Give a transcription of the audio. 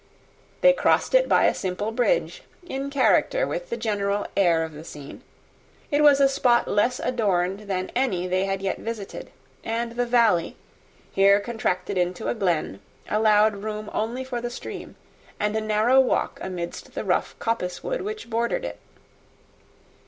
They crossed it by a simple bridge, in character with the general air of the scene: it was a spot less adorned than any they had yet visited; and the valley, here contracted into a glen, allowed room only for the stream, and a narrow walk amidst the rough coppice wood which bordered it.